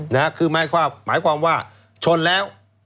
หมายความว่าชนแล้ว